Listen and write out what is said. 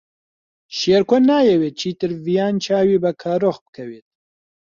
شێرکۆ نایەوێت چیتر ڤیان چاوی بە کارۆخ بکەوێت.